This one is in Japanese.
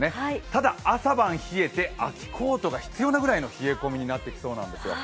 ただ朝晩冷えて、秋コートが必要なぐらいの冷え込みになってきそうなんですよ。